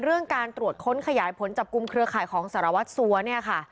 เรื่องการตรวจค้นขยายผลจับกลุ่มเครือข่ายของสารวัตรสัวเนี่ยค่ะ